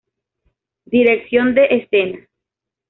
Dirección de Escena